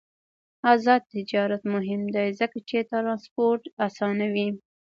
آزاد تجارت مهم دی ځکه چې ترانسپورت اسانوي.